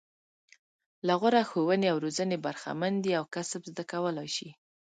له غوره ښوونې او روزنې برخمن دي او کسب زده کولای شي.